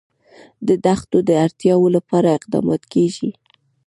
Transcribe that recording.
د دښتو د اړتیاوو لپاره اقدامات کېږي.